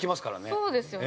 そうですよね。